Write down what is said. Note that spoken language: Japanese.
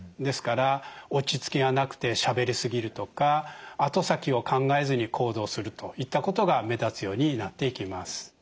ですから落ち着きがなくてしゃべり過ぎるとか後先を考えずに行動するといったことが目立つようになっていきます。